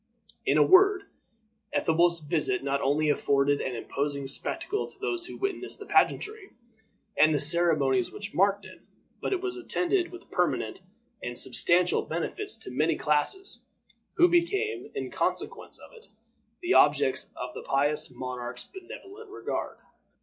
In a word, Ethelwolf's visit not only afforded an imposing spectacle to those who witnessed the pageantry and the ceremonies which marked it, but it was attended with permanent and substantial benefits to many classes, who became, in consequence of it, the objects of the pious monarch's benevolent regard.